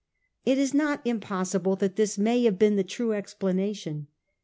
It is not impossible that this may have been the true explanation.